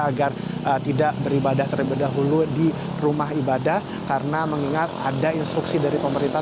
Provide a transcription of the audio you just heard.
agar tidak beribadah terlebih dahulu di rumah ibadah karena mengingat ada instruksi dari pemerintah